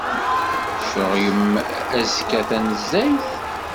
Tceɣlem azekka tanezzayt?